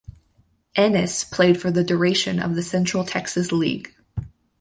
Ennis played for the duration of the Central Texas League.